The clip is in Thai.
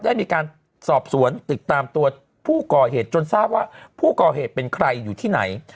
ได้มีการสอบสวนติดตามตัวผู้ก่อเหตุจนทราบว่าผู้ก่อเหตุเป็นใครอยู่ที่ไหน